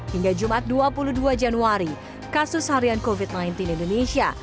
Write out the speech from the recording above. hingga jumat dua puluh dua januari kasus harian covid sembilan belas indonesia